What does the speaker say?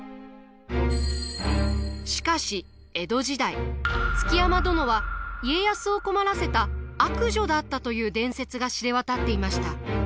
しかし江戸時代築山殿は家康を困らせた悪女だったという伝説が知れ渡っていました。